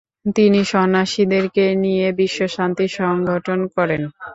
তিনি সন্যাসীদের কে নিয়ে বিশ্ব শান্তি সংগঠন করেন।